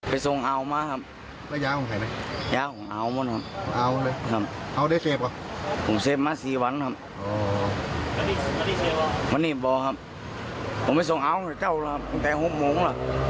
บอกว่าเอาไปทำงานข้อค้ารึยัง